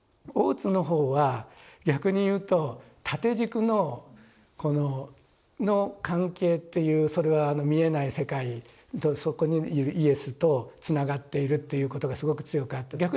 大津の方は逆に言うと縦軸の関係っていうそれは見えない世界とそこにいるイエスとつながっているっていうことがすごく強くあって。